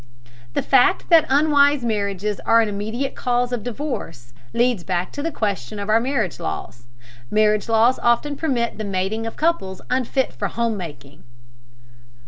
The fact that unwise marriages are an immediate cause of divorce leads back to the question of our marriage laws. Marriage laws often permit the mating of couples unfit for home making.